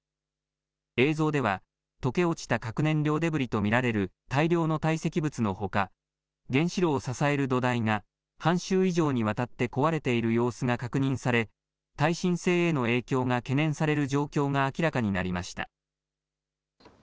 映像では溶け落ちた核燃料デブリと見られる大量の堆積物のほか原子炉を支える土台が半周以上にわたって壊れている様子が確認され耐震性への影響が懸念される状況が明らかになりました。